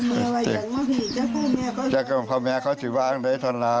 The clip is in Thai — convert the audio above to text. เพราะแม่เค้าถึงวางได้ทะลา